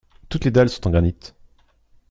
Toutes les dalles sont en granite.